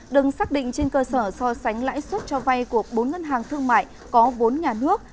đừng xác định trên cơ sở so sánh lãi suất cho vay của bốn ngân hàng thương mại có vốn nhà nước